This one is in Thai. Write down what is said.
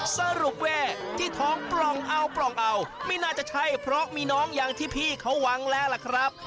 สรุปว่าที่ท้องปล่องเอาปล่องเอาไม่น่าจะใช่เพราะมีน้องอย่างที่พี่เขาหวังแล้วล่ะครับ